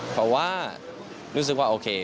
เพราะว่ารู้สึกว่าโอเค